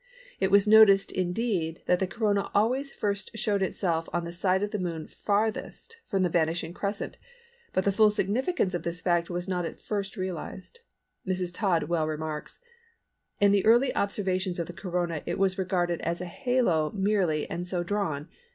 It was noticed indeed that the Corona always first showed itself on the side of the Moon farthest from the vanishing crescent but the full significance of this fact was not at first realised. Mrs. Todd well remarks:—"In the early observations of the Corona it was regarded as a halo merely and so drawn.